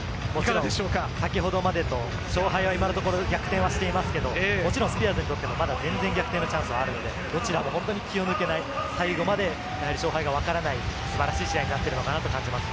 もちろん先ほどまで勝敗は今のところ逆転はしていますけれど、もちろんスピアーズにとってもまだ全然逆転のチャンスはあるので、どちらも本当に気を抜けない、最後まで勝敗がわからない、素晴らしい試合になっているのかなと感じます。